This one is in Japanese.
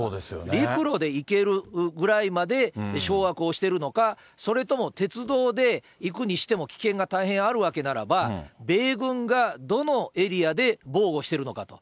陸路で行けるぐらいまで掌握をしているのか、それとも鉄道で行くにしても危険が大変あるわけならば、米軍がどのエリアで防護してるのかと。